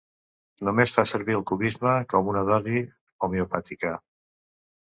Només fa servir el cubisme com una dosi homeopàtica.